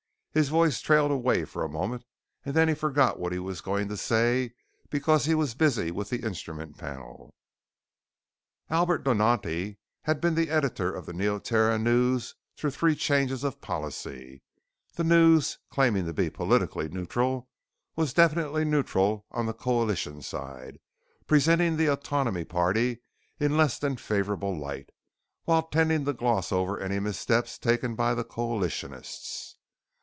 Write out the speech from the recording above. His voice trailed away for a moment, and then he forgot what he was going to say because he was busy with the instrument panel. Albert Donatti had been editor of the Neoterra News through three changes of policy. The News, claiming to be politically neutral, was definitely neutral on the coalition side, presenting the autonomy party in less than favorable light, while tending to gloss over any missteps taken by the coalitionists.